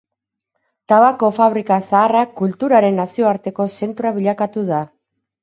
Tabako fabrika zaharra kulturaren nazioarteko zentroa bilakatu da.